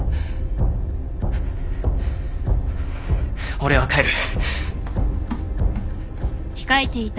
俺は帰る。